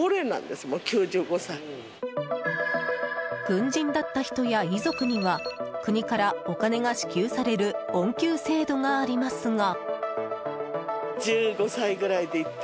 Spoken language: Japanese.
軍人だった人や遺族には国からお金が支給される恩給制度がありますが。